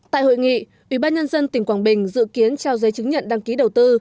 tại hội nghị ubnd tỉnh quảng bình dự kiến trao giấy chứng nhận đăng ký đầu tư